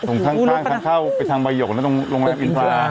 ส่งทางข้างทางเข้าไปทางบะหยกแล้วตรงโรงแรมอินทรา